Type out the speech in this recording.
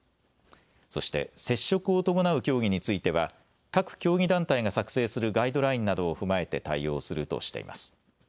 そして接触を伴う競技については各競技団体が作成するガイドラインなどを踏まえて対応するとしています。